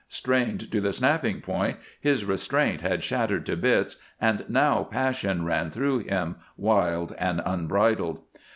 Strained to the snapping point, his restraint had shattered to bits and now passion ran through him, wild and unbridled.